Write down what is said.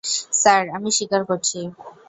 Sir, আমি স্বীকার করছি।